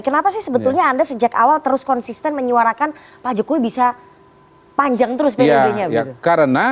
kenapa sih sebetulnya anda sejak awal terus konsisten menyuarakan pak jokowi bisa panjang terus periodenya